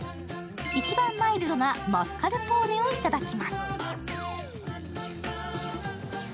一番マイルドなマスカルポーネをいただきます。